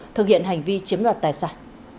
thực hiện hành vi chiếm đoạt tài sản